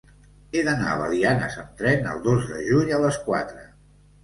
He d'anar a Belianes amb tren el dos de juny a les quatre.